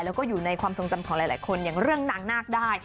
แล้วก็อยู่ในความทรงจำของหลายคนอย่างเรื่องนางนาคได้